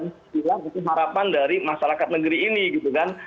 itu harapan dari masyarakat negeri ini gitu kan